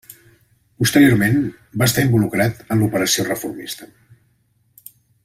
Posteriorment, va estar involucrat en l'operació reformista.